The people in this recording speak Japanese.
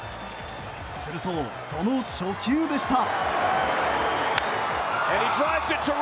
すると、その初球でした。